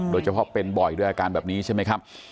โดยเฉพาะเป็นบ่อยด้วยอาการแบบนี้ใช่ไหมครับ